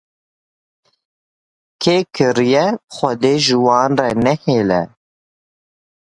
Kê kiriye xwedê ji wan re nehêle